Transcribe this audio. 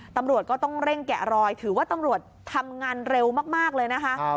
ตำรวจก็ต้องเร่งแกะรอยถือว่าตำรวจทำงานเร็วมากเลยนะคะ